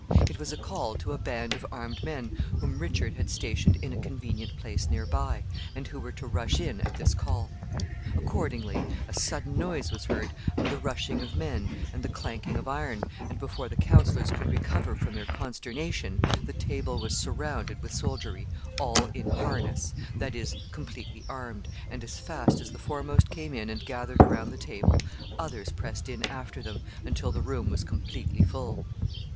It was a call to a band of armed men whom Richard had stationed in a convenient place near by, and who were to rush in at this call. Accordingly, a sudden noise was heard of the rushing of men and the clanking of iron, and before the councilors could recover from their consternation the table was surrounded with soldiery, all "in harness," that is, completely armed, and as fast as the foremost came in and gathered around the table, others pressed in after them, until the room was completely full.